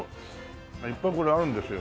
いっぱいこれあるんですよ